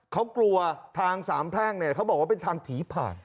เขากลัวทางสามแพร่งเนี่ยเขาบอกว่าเป็นทางผีผ่าน